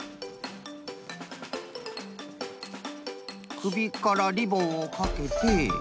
くびからリボンをかけて。